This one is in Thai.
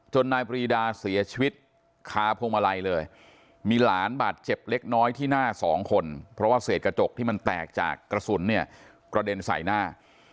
นายปรีดาเสียชีวิตคาพวงมาลัยเลยมีหลานบาดเจ็บเล็กน้อยที่หน้าสองคนเพราะว่าเศษกระจกที่มันแตกจากกระสุนเนี่ยกระเด็นใส่หน้า